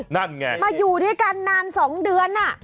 มาอยู่ด้วยกันนานสองเดือน